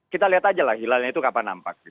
kita lihat aja lah hilalnya itu kapan nampak